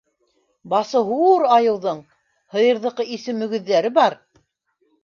Басы һур айыуҙың! һыйырҙыҡы исе мөгөҙҙәре бар...